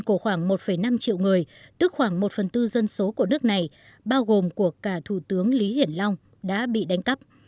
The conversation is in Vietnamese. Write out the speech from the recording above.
của khoảng một năm triệu người tức khoảng một phần tư dân số của nước này bao gồm của cả thủ tướng lý hiển long đã bị đánh cắp